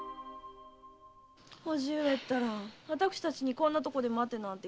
叔父上ったら私たちにこんな所で待てなんて何かしら？